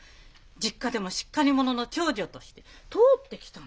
実家でもしっかり者の長女として通ってきたのよ。